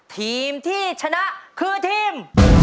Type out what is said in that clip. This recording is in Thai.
ทีมที่ชนะคือทีม